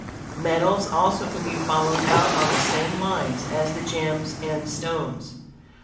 Metals also can be followed out on the same lines as the gems and stones.